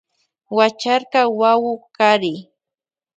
Huacharka wawu kari.